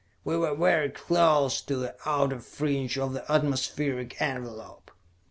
We were very close to the outer fringe of the atmospheric envelope.